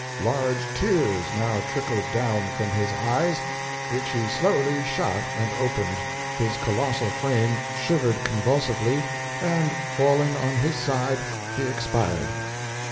Large tears now trickled down from his eyes, which he slowly shut and opened, his colossal frame shivered convulsively, and falling on his side he expired."